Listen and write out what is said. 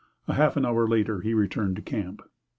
A half hour later he returned to camp.